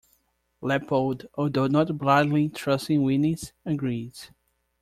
Lepold, although not blindly trusting Wienis, agrees.